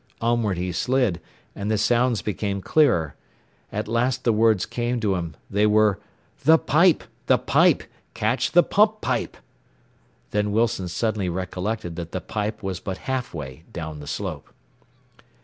Onward he slid, and the sounds became clearer. At last the words came to him. They were, "The pipe! The pipe! Catch the pump pipe!" Then Wilson suddenly recollected that the pipe was but half way down the slope.